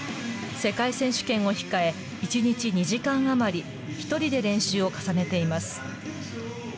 世界選手権を控え、１日２時間余り、１人で練習を重ねています。